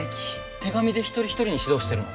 手紙で一人一人に指導してるの？